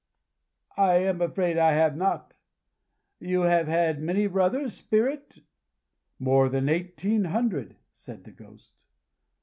"I am afraid I have not. Have you had many brothers, Spirit?" "More than eighteen hundred," said the Ghost.